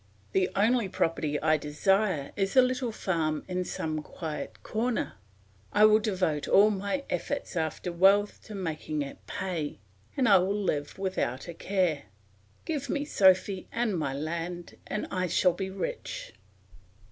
The only property I desire is a little farm in some quiet corner. I will devote all my efforts after wealth to making it pay, and I will live without a care. Give me Sophy and my land, and I shall be rich."